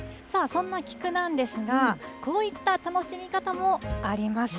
そんな菊なんですが、こういった楽しみ方もあります。